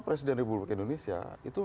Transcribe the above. presiden republik indonesia itu